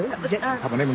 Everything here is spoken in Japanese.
たまねぎ